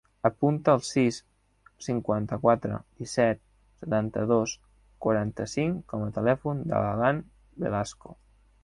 Apunta el sis, cinquanta-quatre, disset, setanta-dos, quaranta-cinc com a telèfon de l'Alan Velasco.